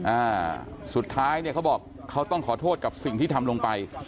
อ่าสุดท้ายเนี่ยเขาบอกเขาต้องขอโทษกับสิ่งที่ทำลงไป